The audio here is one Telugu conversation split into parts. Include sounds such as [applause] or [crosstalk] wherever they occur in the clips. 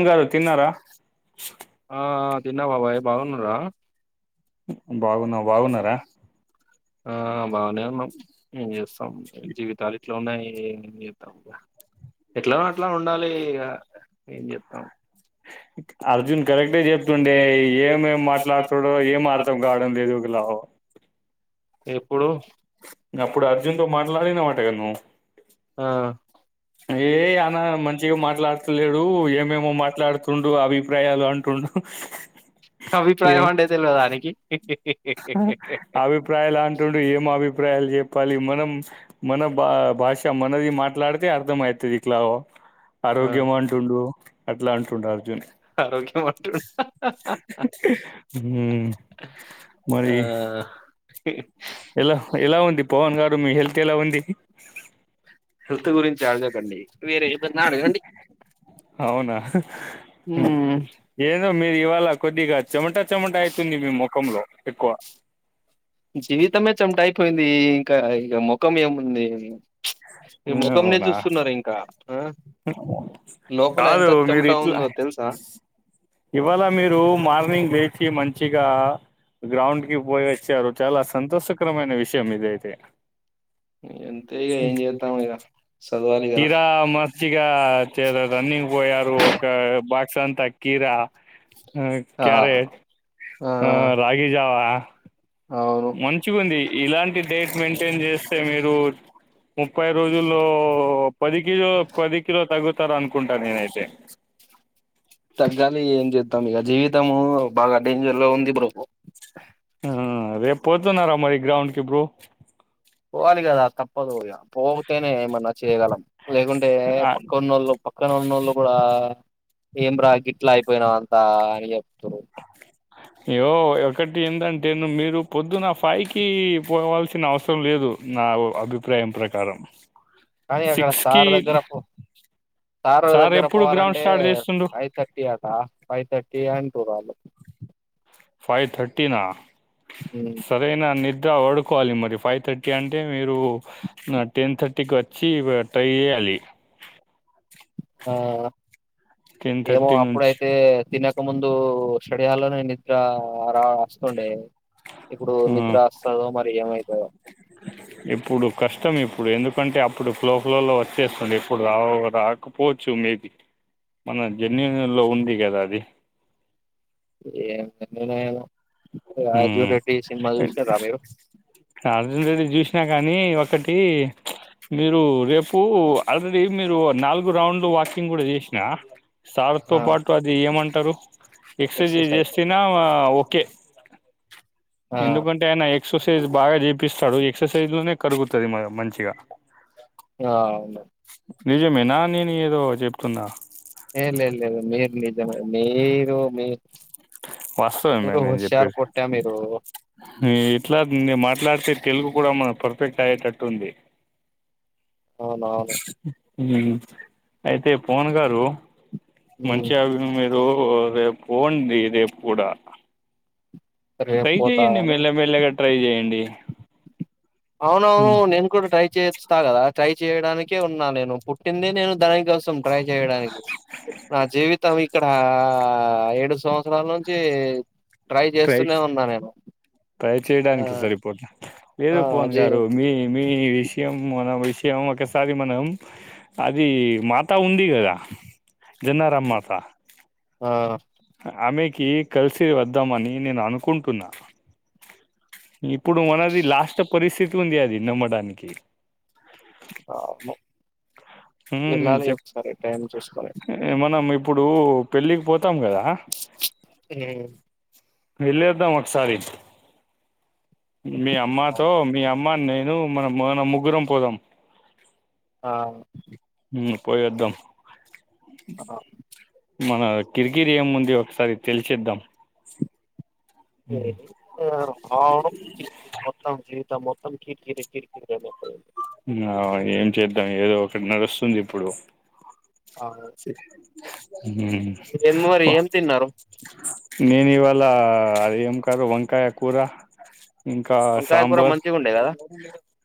ఇ [unintelligible] తిన్నారా ఆ తిన్నా బాబాయ్ బాగున్నార బాగున్నా బాగున్నారా ఆ బాగానే ఉన్నాం ఏం చేస్తాం జీవితాలు ఇట్లా ఉన్నాయి ఏం చేస్తాం ఇక ఎట్లా అట్లా ఉండాలి ఇక ఏం చేస్తాం అర్జున్ కరెక్టే చెప్తుండే ఏమేం మాట్లాడుతాడో ఏం అర్థం కావడం ఏదు ఒకలా అ అప్పుడు అర్జున్ తో మాట్లాడిన వా అను ఆ ఏ అనా మ మంచి గా మాట్లాడు లేడు ఏమేమో మాట్లాడు తుండు అభిప్రాయాలు అంటుండు అభిప్రాయం అంటే తెల్వదా నికి అభిప్రాయ లా అంటుం ఏం అభిప్రా అభిప్రాయాలు చెప్పాలి మనం మన బా భాష మనది మాట్లాడితే అర్థంమవుతుంది ఇట్లా ఆ ఆరోగ్యమం అంట్టుండు అట్లా అంటుండడు అర్జున్ ఆరోగ్యం ఉంట ఉమ్, మరి ఎలా ఎలా ఉంది పవన్ గారు మీ హెల్త్ ఎలా ఉంది ఇ హెల్త్ గురించి అడజకండి వేరే ఏన్నాడుండి ఏద మీరు ఇవాళ కొద్దిగా చెమట చెమట అవుతుంది మీ ముఖంలో ఎక్కువ జీవితమే చమట అయిపోయింది ఇంకా ఇక ముఖం ఏముంది మీ ముఖంనే అవునా చూస్తున్నారు ఇంకా ఆ లోపల కాదు ఎంత మీరు చెమటా ఇట్లా ఉందో తెలుసా ఇవాళ మీరు మార్నింగ్ లేేచి మంచిగా గ్రౌండ్ కి పోయ సారు చాలా సంతోషకరమైన విషయం విషం ఇది అయితే ఎంతేగ ఏం చేతాము ఇగ చదవాలి కదా కీరా మ రన్నింగ్ పోయ ఒకే బాక్స్ అంతా కీరా ఆ క్యారెట్ ఆ రాగి జావా అవును మంచిగుంది ఇలాంటి డేట్ మెయింటైన్ చేస్తే మీరు ముప్పై రోజుల్లో పది కిలో పది కిలో తగగు వస్తారు అనుకుంటా నేనైతే తగ్గాలి ఏం చేద్దాం ఇక జీవితము బాగా డేంజర్ లో ఉంది బ్రో రేపు పోత నా రా మారి గ్రౌండ్ క బ్రూ పోవాలి కదా తప్పదు పో పోతేనే ఏమన్నా చేయగలం లేకుంటే ఆ పక్క ఉన్నోళ్ళు పక్కన ఉన్నోళ్ళు కూడా ఏం రా గిట్లా అయిపోయినావు అంతా అని చెప్తురు అయ్యో ఒకటి ఏంటంటే ను్ మీరు పొద్దు నా ఫయికి పోవాల్సిన అవసరం లేదు నా అభిప్రాయం ప్రకారం కానీ అక్కడ సిక్స్ కి సార్ దగ్గర పో సార్ దగ్గర ఎప్పుడు గ్రౌండ్ పోవాలంటే స్టార్ట్ చేస్తుండు ఫైవ్ థర్టీ అక్క ఫైవ్ థర్టీ అంటూ వాళ్ళు ఫైవ్ థర్టీనా సరేనా నద్ద వాడుకోవాలి మరి ఫైవ్ థర్టీ అంటే మీరు టెన్ థర్టీకి వచ్చి ట్రై చేయాలి ఆ టెన్ ఏమో థర్టీ నుంచి అప్పుడైతే తినకముందు చడ అలనేే నిద్రా రా వస్తుండే ఇప్పుడు ఆ నిద్ర వస్తదో మరి ఏమైతుందో ఇప్పుడు కష్టం ఇప్పుడు ఎందుకంటే అప్పుడు ఫ్లో ఫ్లోలో వచ్చేస్తుండే ఎప్పుడు రా రాకపోవచ్చు మేది మన జన్యన్ లో ఉంది కదా అది అే ఏ మీరు అర్జుది జష్ నా కానీ ఒకటి మీరు రేపు ఆల్రెడీ మీరు నాలుగు రౌండ్లు వాకింగ్ కూడా చేసిన ఆ సార్తో పాటు అది ఏమంటారు ఎక్సర్జైజ్ ఎక్సర్సైజ్ చేసిన ఓకే ఆ ఎందుకుంటేనా ఎక్సర్సైజ్ బాగా చేపిస్తాడు ఎక్సర్సైజ్ లోనే కరుగుతుంది మ మంచిగా అ అవును నిజమేనా నేను ఏదో చెప్పుకుందా ఇ లే ఇల్ ఇ మీ నిజ న ఇ మీ వాస్తవమే మీరు మరి హుష్యారు పట్టా మీరు ఎట్లా మాట్లాడితే తెలుగు కూడా మన పర్ఫెక్ట్ అయ్యేటట్టు ఉంది అవున అవును హ అయితే పోన్ గారు మంచి ఆ ఓహూ రేపు పోండి రేపు కుడా రేపు ట్రై పోతా చెయండి అని మెల్లెమెల్లగా ట్రై చేయండి అవునవును హ్మ్ నేన్ కూడా ట్రై చేయిస్తాగదా ట్రై చేయడానికే ఉన్నా నేను పుట్టింది నేను దాని కోసం ట్రై చేయడానికి నా జీవితం ఇక్కడ ఏడు సంవత్సరాల నుంచి ట్రై చేస్తూనే ఉన్నా నేను ట్రై ఆ చేయడానికి సర్ ఆ పోలా పోన్ జీ గారు మీ మీ ఈ విషయం మన విషయం ఒకసారి మనం అది మాత ఉంది కదా జన్నారమ్ మాత ఆ ఆమెకి కలిసి వద్దామని నేను అనుకుంటున్నా ఇప్పుడు మనది లాస్ట్ పరిస్థితి ఉంది అది నమ్మడానికి పాప్ము ఉమ్, నేను వెళ్ళాలి చెప్ ఒకసారి టైం చూసుకొని నువ్వు పెళ్లికి పో ఊ వెళ్లి వద్దాం ఒకసారి మీ అమ్మతో అవును మీ అమ్మ నేను మనం మనం ముగ్గురం పోదాం ఆ పోయేద్దాం అ మన కిరికిరి ఏముంది ఒకసారి తెలిచేద్దాం ఏమైంది ఒ వావ్ ఇది మోత్తం జీవితం మో వాని కీర్కిరే కీర్కిర మొత్తం అంత అ ఏం చేద్దాం ఏదో ఒకటి నడుస్తుంది ఇప్పుడు అవును ఊ ఏం మరి బా ఏం తిన్నారు నేను ఇవాళ అది ఏం కర్రీ వంకాయ కూర ఇంకా వంకాయ కూర సాంబార్ మంచిగుండే కదా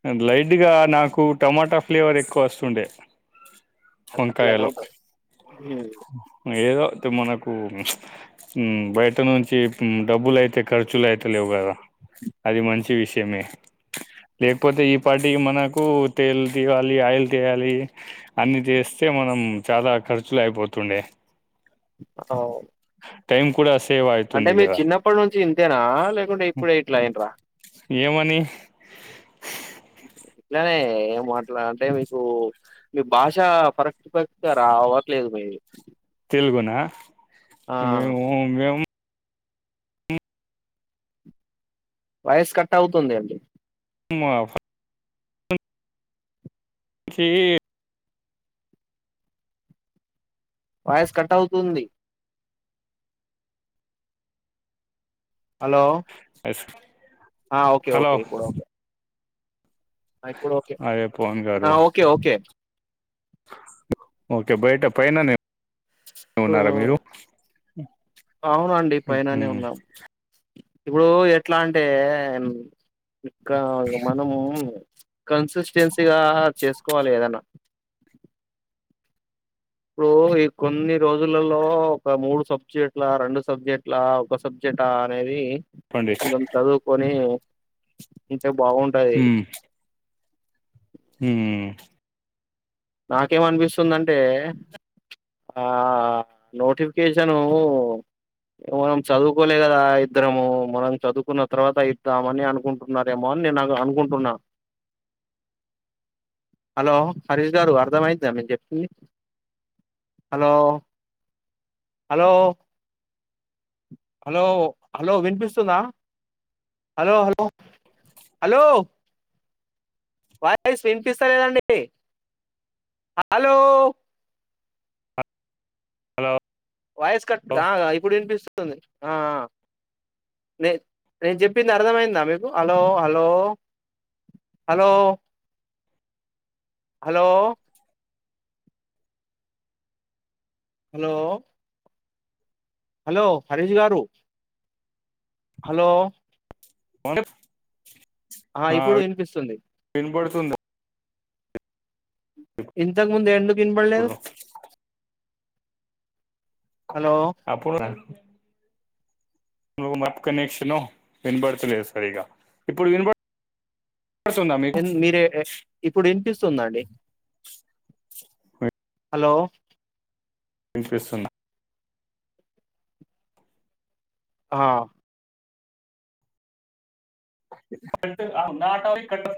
ఆ లైట్ ఆ నాకు టమాటా ఫ్లేవర్ ఎక్కువ వస్తుండే అట్లనే వంకాయలో ఉంటది హ్మ్. ఏదో ఐతే మనకు ప్చ్ ఉ బయట నుంచి ఉమ్ డబ్బులు అయితే ఖర్చులు అయిత లేవు కదా అది మంచి విషయమే లేకపోతే ఈ ప్పటి మనకు తేలు తీయాలి ఆయిల్ తీయాలి అన్ని తీస్తే మనం చాలా ఖర్చులు అయిపోతుండే అవు టైమ్ కూడా అస్ అంటే మీరు చిన్నప్పటి నుంచి ఇంతేనా లేకుంటే ఇప్పుడ ఇట్లయిన్రా ఏమని ఇట్లనే ఏం మాట్లా అంటే మీకు మీ భాష ఫరక్ట్ ఫరక్ట్ రావట్లేదు మీది తెలుగునా ఆ మేము మేము వాయిస్ కట్ అవుతుంది అండి మావ్ చీ వాయిస్ కట్ అవుతుంది హలో ఆ ఓకే హలో ఓకే ఇప్పుడు ఓకే ఇప్పుడు ఓకే అదే పవన్ గారు ఆ ఓకే ఓకే ఓకే బయట పైన నేను సో, ఉన్నారా మీరు అ అవునండి పైననే ఉన్నాం ఇప్పుడు ఎట్లా అంటే ఇకా మనం కన్సిస్టెన్సీగా చేసుకోవాలి ఏదన్నా ఇప్పుడు ఈ కొన్ని రోజులలో ఒక మూడు సబ్జెక్టుల, రెండు సబ్జెక్టులా, ఒక సబ్జెక్టా అనేది. చెప్పండి దన్ చదువుకొని అంటే బాగుంటది హ్మ్ హ్ నాకేమనిపిస్తుందింటే ఆ నోటిఫికేషను మనం చదువుకోలే కదా, ఇద్దరము మనం చదువుకున్న తర్వాత ఇద్దామని అనుకుంటున్నారేమో అని, నేను అనుకుంటున్నా. హరీష్ గారు అర్ధం అయ్యిందా నేను చెప్పింది, హలో హలో హలో హలో వినిపిస్తుందా హలో హలో హలో వాయిస్ వినిపిస్త లేదండి. అలో హలో వాయస్ కట్గా ఆ ఇప్పుడు వినిపిస్తుంద్ ది ఆ నే నేను చెప్పింది అర్థమైందా మీకు hello hello hello hello hello hello Harish గారు హలో [unintelligible] ఆ ఇప్పుడు వినిపిస్తుంది స్తుంది ఇంతక్ ముంద్ ఎంన్ వినపడలేదు అప్పుడు హలో అప్పుడు మప్ కనెక్షను వినబడతలేదు సరిగా ఇప్పుడు వినబడు మీరు ఇప్పుడు వినిపిస్తుందండి హలో విన్పిస్తున్ హా [unintelligible]